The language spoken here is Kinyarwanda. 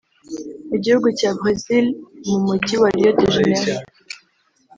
mu gihugu cya Brazil mu mujyi wa Rio de Janeiro